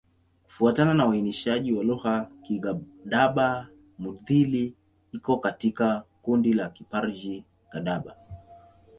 Kufuatana na uainishaji wa lugha, Kigadaba-Mudhili iko katika kundi la Kiparji-Gadaba.